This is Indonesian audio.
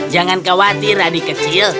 jangan khawatir adik kecil